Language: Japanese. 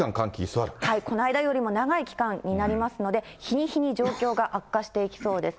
この間よりも長い期間になりますので、日に日に状況が悪化していきそうです。